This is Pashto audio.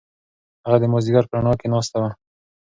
هغه د مازیګر په رڼا کې ناسته وه.